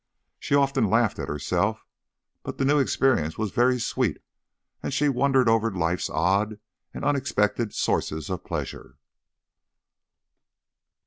She often laughed at herself; but the new experience was very sweet, and she wondered over Life's odd and unexpected sources of pleasure.